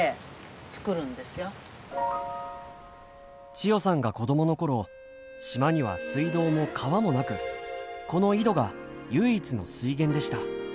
千代さんが子供のころ島には水道も川もなくこの井戸が唯一の水源でした。